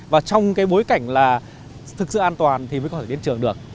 và trong cái bối cảnh là thực sự an toàn thì mới có thể đến trường được